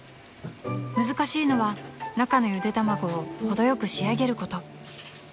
［難しいのは中のゆで卵を程よく仕上げること］